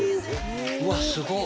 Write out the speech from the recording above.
うわっすごっ！